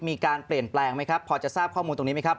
มีการเปลี่ยนแปลงไหมครับพอจะทราบข้อมูลตรงนี้ไหมครับ